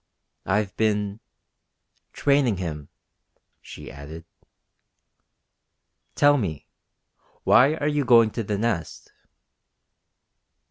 "I've been ... training him," she added. "Tell me why are you going to the Nest?"